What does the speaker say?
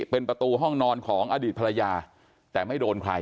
เป็นประตูห้องนอนของอดีตภรรยาแต่ไม่โดนใคร